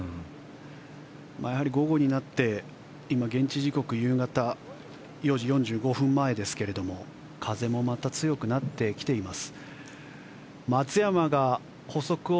やはり午後になって今、現地時刻夕方午後４時４５分前ですが風もまた強くなってきています。